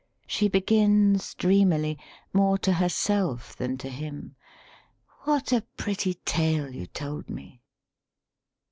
She begins dreamily, more to herself than to him "What a pretty tale you told me."